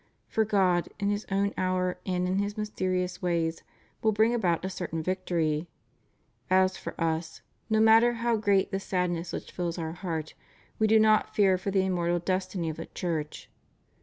For God, in His own hour and in His mysterious ways, will bring about a certain victory. As for Us, no matter how great the sadness which fills Our heart, We do not fear for the immortal destiny of the Church.